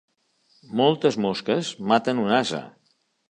Moltes mosques maten un ase.